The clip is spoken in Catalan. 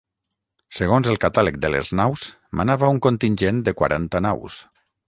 Segons el Catàleg de les naus, manava un contingent de quaranta naus.